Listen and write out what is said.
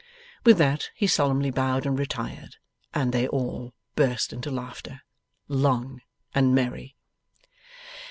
With that, he solemnly bowed and retired, and they all burst into laughter, long and merry.